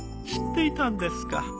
知っていたんですか。